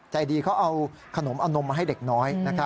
ใจดีเขาเอาขนมเอานมมาให้เด็กน้อย